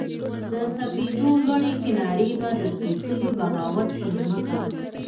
د سپېدو لوړې کنارې به د سپیڅلې بغاوت پر مځکه